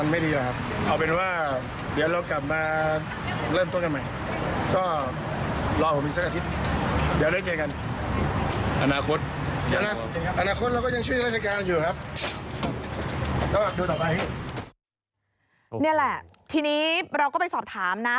นี่แหละทีนี้เราก็ไปสอบถามนะ